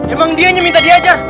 emang dia hanya minta diajar